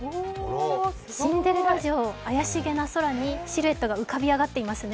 シンデレラ城、怪しげな空にシルエットが浮かび上がっていますね。